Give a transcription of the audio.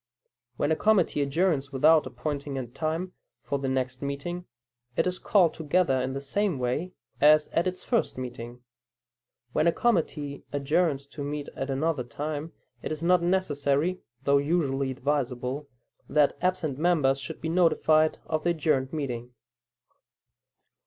When a committee adjourns without appointing a time for the next meeting, it is called together in the same way as at its first meeting. When a committee adjourns to meet at another time, it is not necessary (though usually advisable) that absent members should be notified of the adjourned meeting.